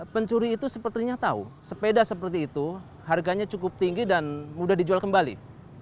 pencuri itu sepertinya tahu sepeda seperti itu harganya cukup tinggi dan mudah dijual kembali